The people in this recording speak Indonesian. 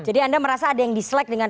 jadi anda merasa ada yang dislike dengan